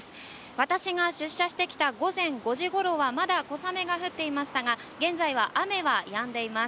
私が出社してきた午前５時ごろはまだ小雨が降っていましたが現在は雨はやんでいます。